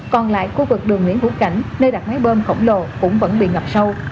còn lại khu vực đường nguyễn hữu cảnh nơi đặt máy bơm khổng lồ cũng vẫn bị ngập sâu